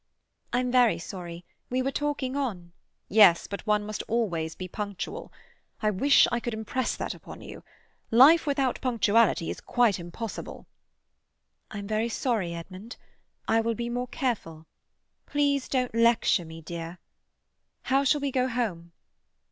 "I'm very sorry. We were talking on—" "Yes, but one must always be punctual. I wish I could impress that upon you. Life without punctuality is quite impossible." "I'm very sorry, Edmund. I will be more careful. Please don't lecture me, dear. How shall we go home?"